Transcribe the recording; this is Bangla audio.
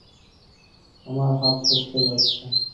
আমার হাত ফসকে যাচ্ছে!